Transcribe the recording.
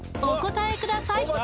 お答えください！